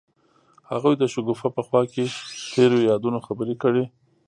هغوی د شګوفه په خوا کې تیرو یادونو خبرې کړې.